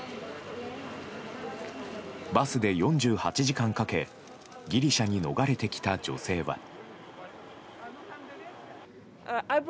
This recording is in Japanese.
バスで４８時間かけギリシャに逃れてきた女性は。